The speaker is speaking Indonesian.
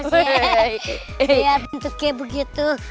lihat bentuknya begitu